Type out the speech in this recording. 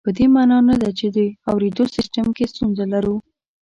په دې مانا نه ده چې د اورېدو سیستم کې ستونزه لرو